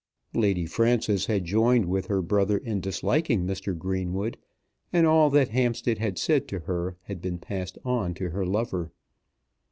Lady Frances had joined with her brother in disliking Mr. Greenwood, and all that Hampstead had said to her had been passed on to her lover.